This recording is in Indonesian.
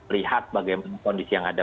lihat bagaimana kondisi yang ada